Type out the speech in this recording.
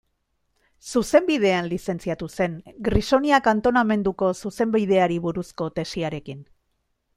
Zuzenbidean lizentziatu zen, Grisonia kantonamenduko zuzenbideari buruzko tesiarekin.